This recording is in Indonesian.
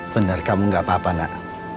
benar kamu gak apa apa nak